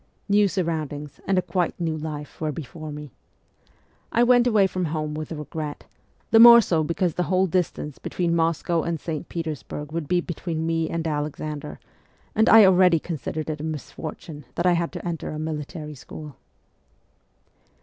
New surroundings and a quite new life were before me. I went away from home with regret, the more so because the whole distance between Moscow and St. Petersburg would be between me and Alexander, and I already considered it a misfortune that I had to enter a military school.